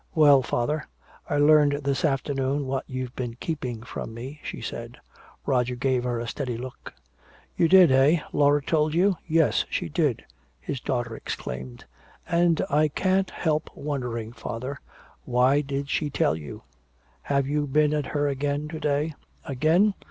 "Well, father, I learned this afternoon what you've been keeping from me," she said. Roger gave her a steady look. "You did, eh Laura told you?" "Yes, she did!" his daughter exclaimed. "And I can't help wondering, father " "Why did she tell you? Have you been at her again to day?" "Again?